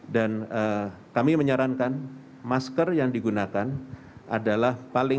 dan kami menyarankan masker yang digunakan adalah paling